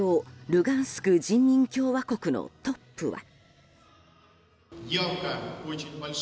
ルガンスク人民共和国のトップは。